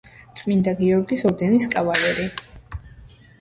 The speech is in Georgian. წმინდა გიორგის ორდენის კავალერი.